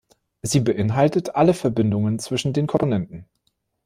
Sie beinhaltet alle Verbindungen zwischen den Komponenten.